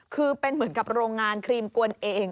คือเป็นเหมือนกับโรงงานครีมกวนเอง